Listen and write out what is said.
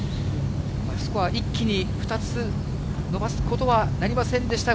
スコア、一気に２つ伸ばすことはなりませんでした。